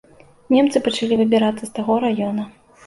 Немцы пачалі выбірацца з таго раёна.